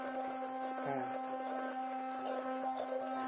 Joo.